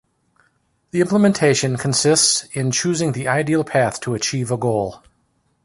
The implementation consists in choosing the ideal path to achieve a goal.